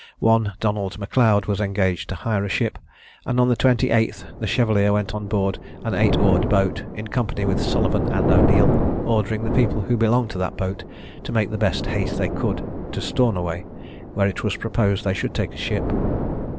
One Donald M'Leod was engaged to hire a ship, and on the 28th the Chevalier went on board an eight oared boat, in company with Sullivan and O'Neil, ordering the people who belonged to the boat to make the best haste they could to Stornoway, where it was proposed they should take ship.